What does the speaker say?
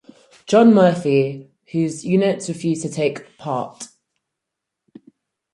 John Murphy whose units refused to take part.